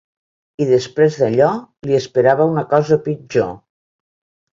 I després d'allò, li esperava una cosa pitjor.